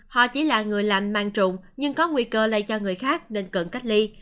họ chỉ là người làm mang trụng nhưng có nguy cơ lại cho người khác nên cần cách ly